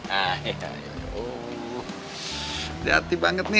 hati hati banget nih